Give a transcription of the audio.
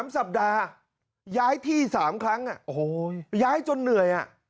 ๓สัปดาห์ย้ายที่๓ครั้งย้ายจนเหนื่อย